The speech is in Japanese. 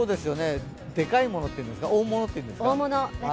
でかいものっていうんですか大物っていうんですか？